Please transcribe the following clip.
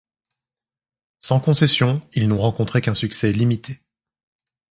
Sans concession, ils n'ont rencontré qu'un succès limité.